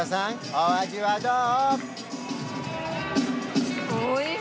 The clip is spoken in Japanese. お味はどう？